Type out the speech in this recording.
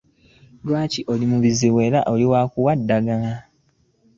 Lwaki oli muzibu wa kuwa ddagala?